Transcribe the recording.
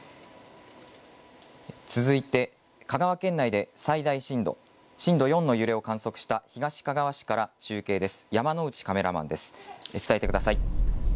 続いて香川県内で最大震度、震度４の揺れを観測した東かがわ市から中継です。